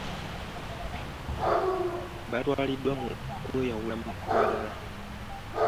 Baatwaliddwa mu kweyawula ku balala.